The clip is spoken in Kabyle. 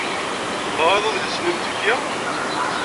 Teɣriḍ adlis-nni i m-d-fkiɣ?